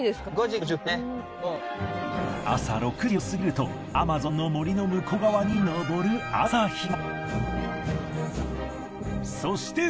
朝６時を過ぎるとアマゾンの森の向こう側に昇る朝日が。